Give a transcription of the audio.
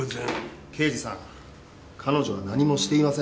刑事さん彼女は何もしていません。